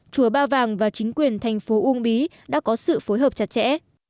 chùa ba vàng và chính quyền thành phố uông bí đã có sự phối hợp chặt chẽ